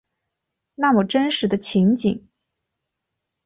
那么真实的情景